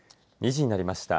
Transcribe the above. ２時になりました。